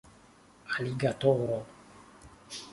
aligatoro